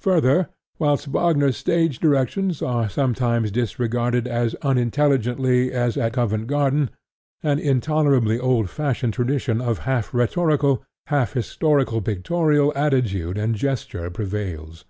Further, whilst Wagner's stage directions are sometimes disregarded as unintelligently as at Covent Garden, an intolerably old fashioned tradition of half rhetorical, half historical pictorial attitude and gesture prevails.